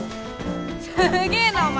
すげーなお前！